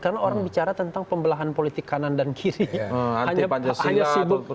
karena orang bicara tentang pembelahan politik kanan dan kiri